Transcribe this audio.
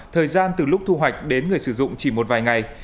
thời gian từ lúc thu hoạch đến người sử dụng chỉ một vài ngày